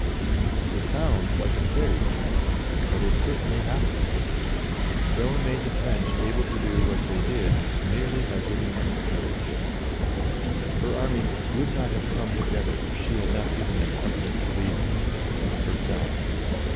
It sounds like a fairy tale, but it certainly happened. Joan made the French able to do what they did merely by giving them courage. Her army would not have come together if she had not given them some thing to believe in herself.